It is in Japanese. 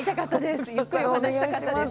ゆっくりお話ししたかったです。